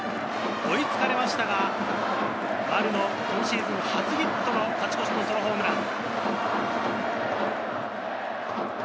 追いつかれましたが、丸の今シーズン初ヒットが勝ち越しのソロホームラン。